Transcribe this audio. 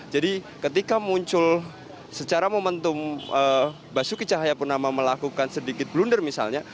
jadi ketika muncul secara momentum basuki cahaya purnama melakukan sedikit blunder misalnya